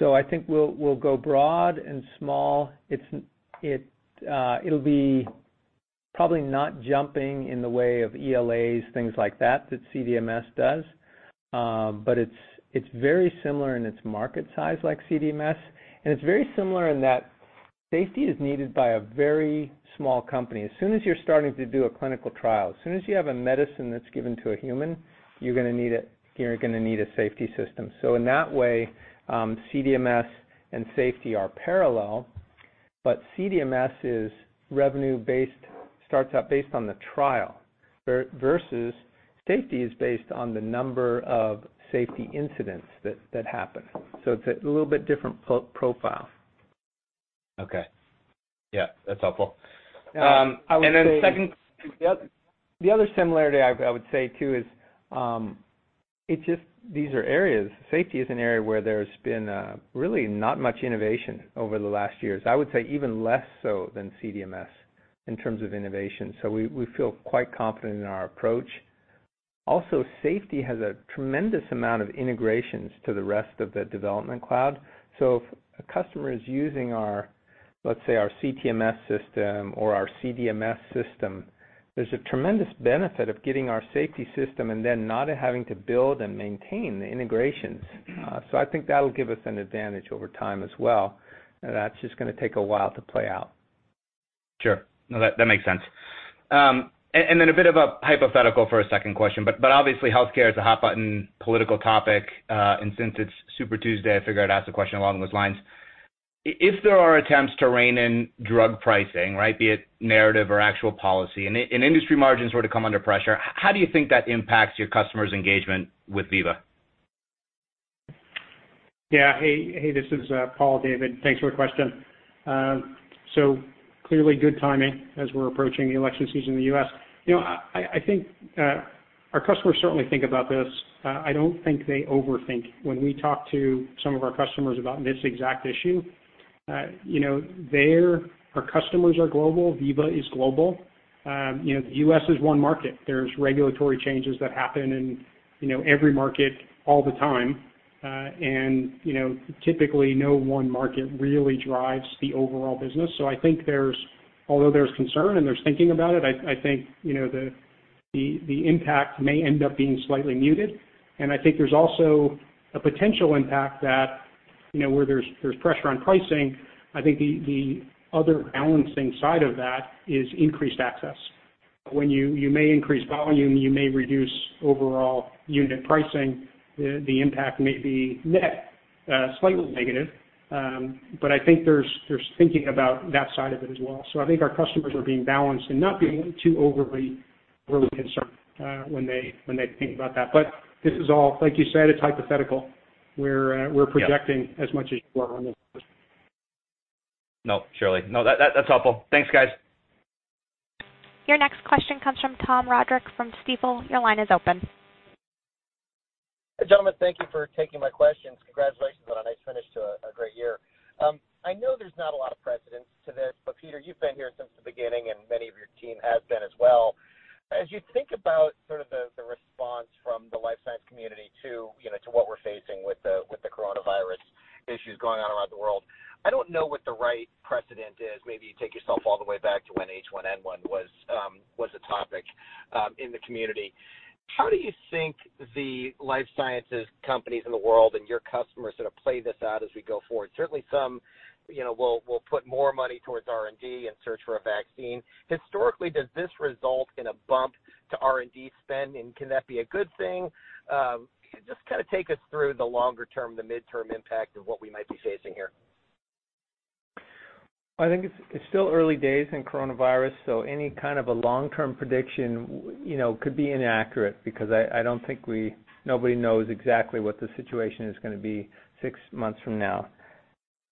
I think we'll go broad and small. It'll probably not jumping in the way of ELAs, things like that CDMS does. It's very similar in its market size like CDMS, and it's very similar in that safety is needed by a very small company. As soon as you're starting to do a clinical trial, as soon as you have a medicine that's given to a human, you're gonna need a safety system. In that way, CDMS and safety are parallel, but CDMS is revenue-based, starts out based on the trial versus safety is based on the number of safety incidents that happen. It's a little bit different profile. Okay. Yeah, that's helpful. And then second, the other similarity I would say too is, it's just these are areas. Safety is an area where there's been really not much innovation over the last years. I would say even less so than CDMS in terms of innovation. We feel quite confident in our approach. Also, safety has a tremendous amount of integrations to the rest of the Veeva Development Cloud. If a customer is using our, let's say our CTMS system or our CDMS system, there's a tremendous benefit of getting our safety system and then not having to build and maintain the integrations. I think that'll give us an advantage over time as well. That's just gonna take a while to play out. Sure. No, that makes sense. Then a bit of a hypothetical for a second question, obviously healthcare is a hot button political topic. Since it's Super Tuesday, I figured I'd ask a question along those lines. If there are attempts to rein in drug pricing, right, be it narrative or actual policy, and industry margins were to come under pressure, how do you think that impacts your customers' engagement with Veeva? Yeah. Hey, hey, this is Paul, David. Thanks for the question. Clearly good timing as we're approaching the election season in the U.S. You know, I think, our customers certainly think about this. I don't think they overthink. When we talk to some of our customers about this exact issue, you know, our customers are global, Veeva is global. You know, the U.S. is one market. There's regulatory changes that happen in, you know, every market all the time. You know, typically, no one market really drives the overall business. I think there's Although there's concern and there's thinking about it, I think, you know, the, the impact may end up being slightly muted. I think there's also a potential impact that, you know, where there's pressure on pricing, I think the other balancing side of that is increased access. When you may increase volume, you may reduce overall unit pricing, the impact may be net slightly negative. I think there's thinking about that side of it as well. I think our customers are being balanced and not being too overly concerned when they think about that. This is all, like you said, it's hypothetical. We're. Yeah We're projecting as much as you are on this. No, surely. No, that's helpful. Thanks, guys. Your next question comes from Tom Roderick from Stifel. Your line is open. Hey, gentlemen. Thank you for taking my questions. Congratulations on a nice finish to a great year. I know there's not a lot of precedence to this, but Peter, you've been here since the beginning, and many of your team has been as well. As you think about sort of the response from the life sciences community to, you know, to what we're facing with the coronavirus issues going on around the world, I don't know what the right precedent is. Maybe you take yourself all the way back to when H1N1 was a topic in the community. How do you think the life sciences companies in the world and your customers sort of play this out as we go forward? Certainly, some, you know, will put more money towards R&D and search for a vaccine. Historically, does this result in a bump to R&D spend, and can that be a good thing? Just kind of take us through the longer term, the midterm impact of what we might be facing here. I think it's still early days in coronavirus, so any kind of a long-term prediction you know, could be inaccurate because I don't think nobody knows exactly what the situation is gonna be six months from now.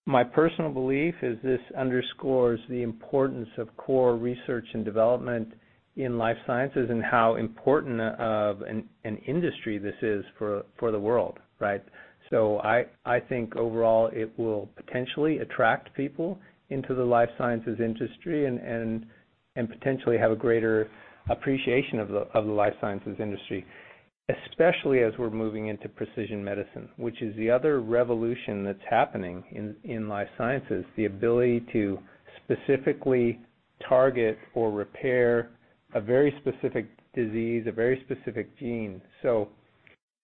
My personal belief is this underscores the importance of core research and development in life sciences and how important of an industry this is for the world, right? I think overall it will potentially attract people into the life sciences industry and potentially have a greater appreciation of the life sciences industry, especially as we're moving into precision medicine, which is the other revolution that's happening in life sciences, the ability to specifically target or repair a very specific disease, a very specific gene.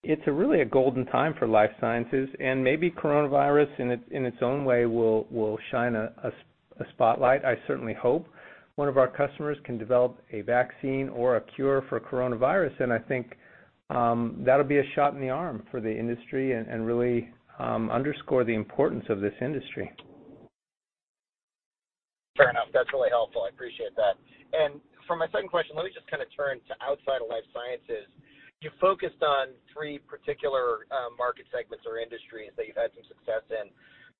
It's really a golden time for life sciences, and maybe coronavirus in its own way will shine a spotlight. I certainly hope one of our customers can develop a vaccine or a cure for coronavirus, and I think that'll be a shot in the arm for the industry and really underscore the importance of this industry. Fair enough. That's really helpful. I appreciate that. For my second question, let me just kind of turn to outside of life sciences. You focused on three particular market segments or industries that you've had some success in.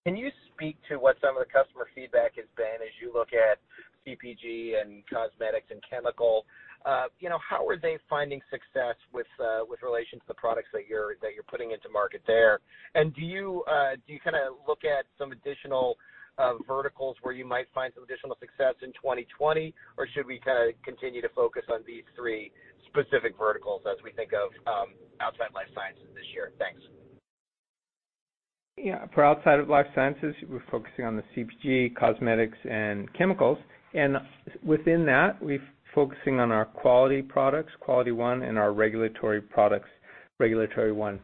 Can you speak to what some of the customer feedback has been as you look at CPG and cosmetics and chemical? You know, how are they finding success with relation to the products that you're putting into market there? Do you kind of look at some additional verticals where you might find some additional success in 2020, or should we kind of continue to focus on these three specific verticals as we think of outside life sciences? Yeah, for outside of life sciences, we're focusing on the CPG, cosmetics, and chemicals. Within that, we're focusing on our quality products, QualityOne, and our regulatory products, RegulatoryOne.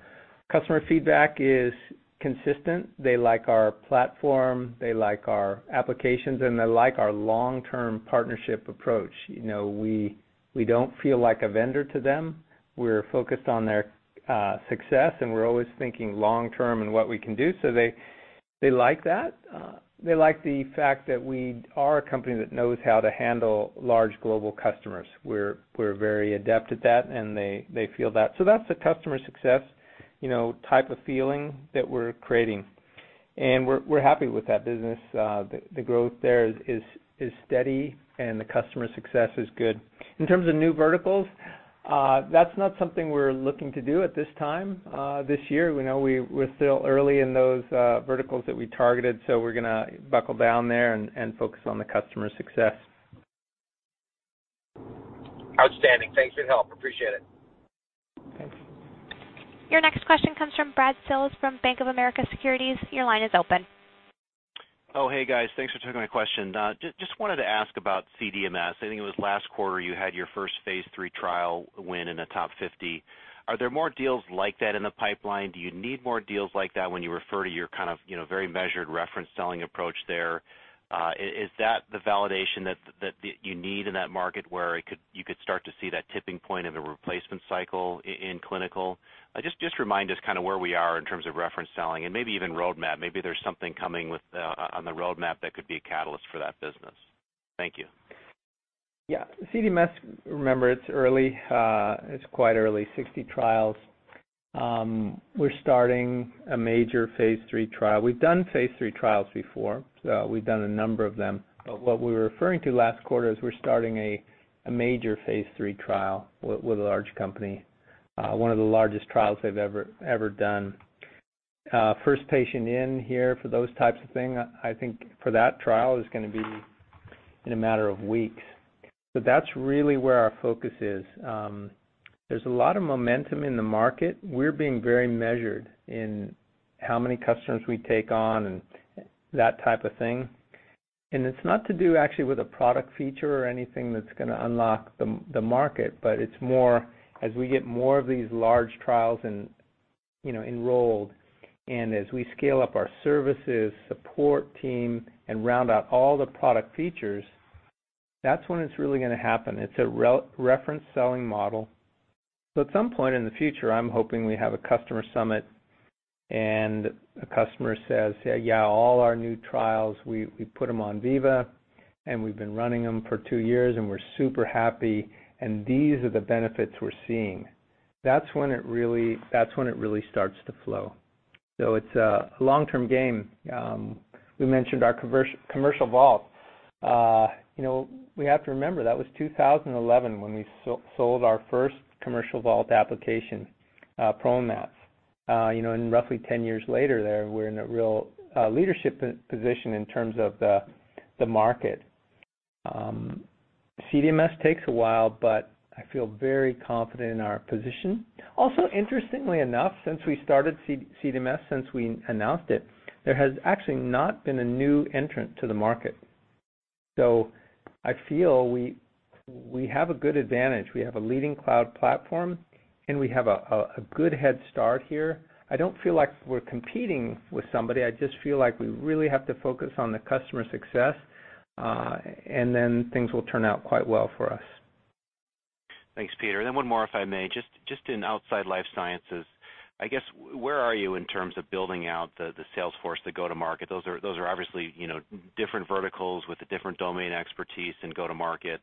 Customer feedback is consistent. They like our platform, they like our applications, and they like our long-term partnership approach. You know, we don't feel like a vendor to them. We're focused on their success, and we're always thinking long term and what we can do, so they like that. They like the fact that we are a company that knows how to handle large global customers. We're very adept at that, and they feel that. That's a customer success, you know, type of feeling that we're creating. We're happy with that business. The growth there is steady and the customer success is good. In terms of new verticals, that's not something we're looking to do at this time, this year. We know we're still early in those verticals that we targeted, we're gonna buckle down there and focus on the customer success. Outstanding. Thanks for your help. Appreciate it. Thanks. Your next question comes from Brad Sills from Bank of America Securities. Hey, guys. Thanks for taking my question. Just wanted to ask about CDMS. I think it was last quarter you had your first phase III trial win in the top 50. Are there more deals like that in the pipeline? Do you need more deals like that when you refer to your kind of, you know, very measured reference selling approach there? Is that the validation that you need in that market where you could start to see that tipping point of a replacement cycle in clinical? Just remind us kind of where we are in terms of reference selling and maybe even roadmap. Maybe there's something coming with on the roadmap that could be a catalyst for that business. Thank you. Yeah. CDMS, remember, it's early. It's quite early. 60 trials. We're starting a major phase III trial. We've done phase III trials before, we've done a number of them. What we were referring to last quarter is we're starting a major phase III trial with a large company, one of the largest trials they've ever done. First patient in here for those types of thing, I think for that trial is gonna be in a matter of weeks. That's really where our focus is. There's a lot of momentum in the market. We're being very measured in how many customers we take on and that type of thing. It's not to do actually with a product feature or anything that's gonna unlock the market, but it's more as we get more of these large trials and, you know, enrolled and as we scale up our services, support team and round out all the product features, that's when it's really gonna happen. It's a reference selling model. At some point in the future, I'm hoping we have a customer summit and a customer says, "Yeah, all our new trials, we put them on Veeva, and we've been running them for two years and we're super happy, and these are the benefits we're seeing." That's when it really starts to flow. It's a long-term game. We mentioned our commercial Vault. You know, we have to remember, that was 2011 when we sold our first commercial Veeva Vault application, PromoMats. You know, roughly 10 years later there, we're in a real leadership position in terms of the market. CDMS takes a while, but I feel very confident in our position. Also, interestingly enough, since we started CDMS, since we announced it, there has actually not been a new entrant to the market. I feel we have a good advantage. We have a leading cloud platform, and we have a good head start here. I don't feel like we're competing with somebody. I just feel like we really have to focus on the customer success, then things will turn out quite well for us. Thanks, Peter. One more, if I may. Just in outside life sciences, I guess where are you in terms of building out the sales force to go to market? Those are obviously, you know, different verticals with a different domain expertise and go to market.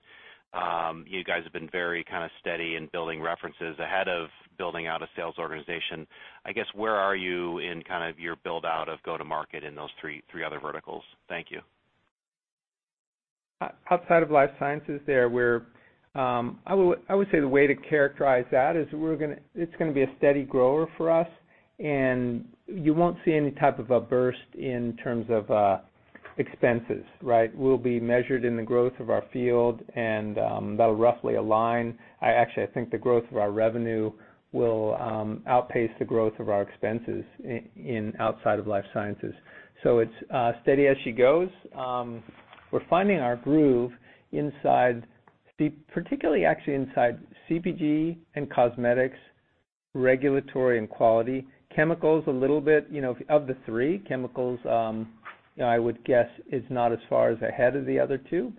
You guys have been very kind of steady in building references ahead of building out a sales organization. I guess, where are you in kind of your build-out of go to market in those three other verticals? Thank you. Outside of life sciences there, I would say the way to characterize that is it's gonna be a steady grower for us, and you won't see any type of a burst in terms of expenses. We'll be measured in the growth of our field and that'll roughly align. I actually think the growth of our revenue will outpace the growth of our expenses outside of life sciences. It's steady as she goes. We're finding our groove inside the particularly actually inside CPG and cosmetics, regulatory and quality. Chemicals, a little bit, you know, of the three, I would guess is not as far as ahead of the other two,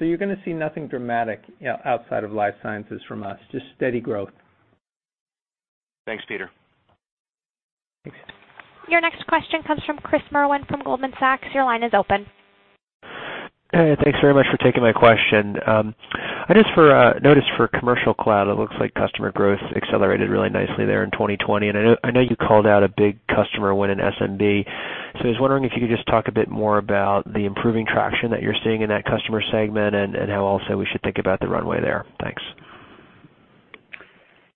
you're gonna see nothing dramatic outside of life sciences from us. Just steady growth. Thanks, Peter. Thanks. Your next question comes from Chris Merwin from Goldman Sachs. Your line is open. Hey, thanks very much for taking my question. I noticed for Commercial Cloud, it looks like customer growth accelerated really nicely there in 2020, and I know you called out a big customer win in SMB. I was wondering if you could just talk a bit more about the improving traction that you're seeing in that customer segment and how also we should think about the runway there. Thanks.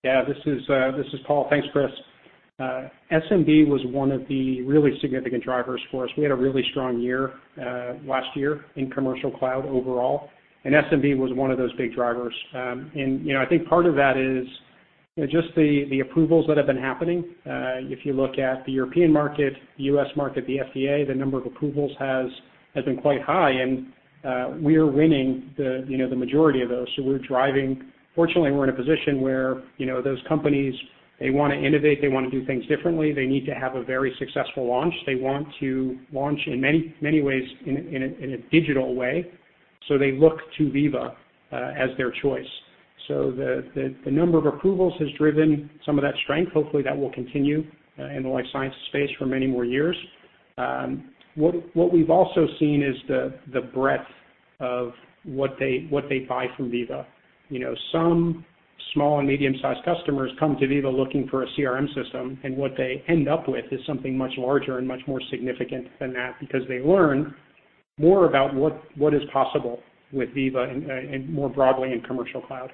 Yeah. This is Paul. Thanks, Chris. SMB was one of the really significant drivers for us. We had a really strong year last year in Veeva Commercial Cloud overall, and SMB was one of those big drivers. I think part of that is, you know, just the approvals that have been happening. If you look at the European market, the U.S. market, the FDA, the number of approvals has been quite high, and we're winning the, you know, the majority of those. We're driving fortunately, we're in a position where, you know, those companies, they wanna innovate, they wanna do things differently. They need to have a very successful launch. They want to launch in many, many ways in a digital way, so they look to Veeva as their choice. The number of approvals has driven some of that strength. Hopefully, that will continue in the life sciences space for many more years. What we've also seen is the breadth of what they buy from Veeva. You know, some small and medium-sized customers come to Veeva looking for a CRM system, and what they end up with is something much larger and much more significant than that because they learn more about what is possible with Veeva and more broadly in Commercial Cloud.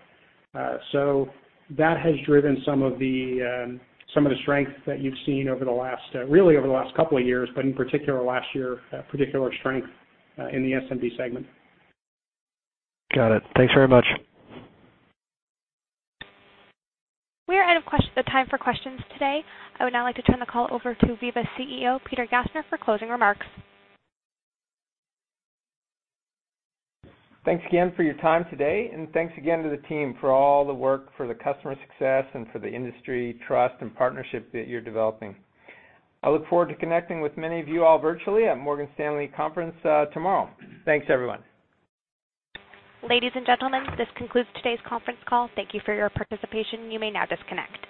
That has driven some of the strength that you've seen over the last, really over the last couple of years, but in particular last year, particular strength in the SMB segment. Got it. Thanks very much. We are out of the time for questions today. I would now like to turn the call over to Veeva's CEO, Peter Gassner, for closing remarks. Thanks again for your time today, thanks again to the team for all the work for the customer success and for the industry trust and partnership that you're developing. I look forward to connecting with many of you all virtually at Morgan Stanley Conference tomorrow. Thanks, everyone. Ladies and gentlemen, this concludes today's conference call. Thank you for your participation. You may now disconnect.